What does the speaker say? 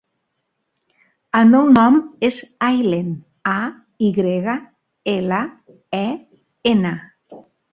El meu nom és Aylen: a, i grega, ela, e, ena.